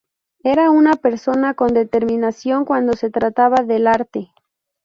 Era una persona con determinación cuando se trataba del arte".